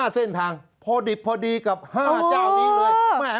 เส้นทางพอดิบพอดีกับ๕เจ้านี้เลย